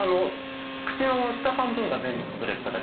口の下半分が全部隠れる形。